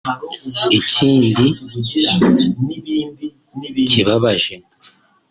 Ikindi kibabaje